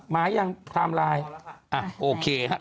มายังทามไลน์